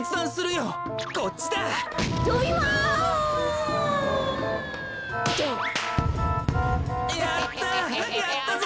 やったぞ。